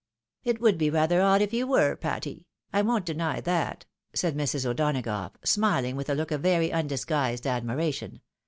" It would be rather odd if you were, Patty ; I won't deny that," said Mrs. O'Donagough, smiling with a look of very undisguised admiration.